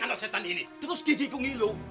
anak setan ini terus gigi kungilu